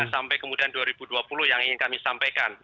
sampai kemudian dua ribu dua puluh yang ingin kami sampaikan